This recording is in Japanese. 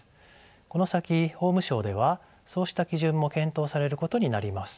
この先法務省ではそうした基準も検討されることになります。